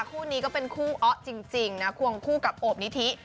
คู่นี้ก็เป็นคู่อ๊ะจริงนะควงคู่กับโอบนิธิ